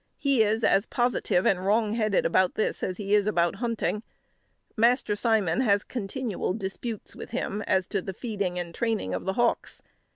He is as positive and wrongheaded about this as he is about hunting. Master Simon has continual disputes with him as to feeding and training the hawks.